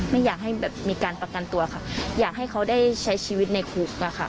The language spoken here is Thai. ไม่อยากให้แบบมีการประกันตัวค่ะอยากให้เขาได้ใช้ชีวิตในคุกอะค่ะ